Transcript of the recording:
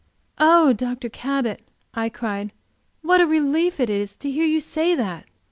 "Oh, Dr. Cabot," I cried, "what a relief it is to hear you say that!